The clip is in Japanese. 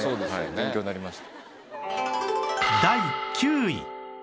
勉強になりました。